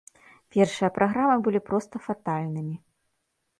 Першыя праграмы былі проста фатальнымі.